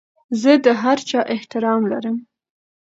زه د هر چا احترام لرم.